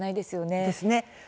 そうですね。